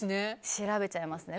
調べちゃいますね。